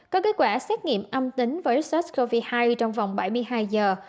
có kết quả xét nghiệm âm tính với sars cov hai trong vòng bảy mươi hai giờ